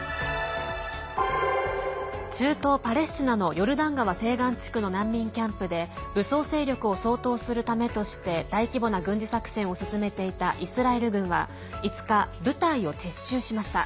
中東パレスチナのヨルダン川西岸地区の難民キャンプで武装勢力を掃討するためとして大規模な軍事作戦を進めていたイスラエル軍は５日部隊を撤収しました。